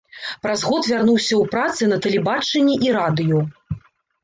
Праз год вярнуўся ў працы на тэлебачанні і радыё.